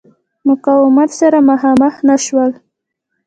مقاومت سره مخامخ نه شول.